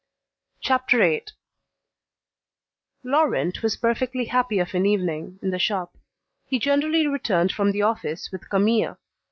CHAPTER VIII Laurent was perfectly happy of an evening, in the shop. He generally returned from the office with Camille.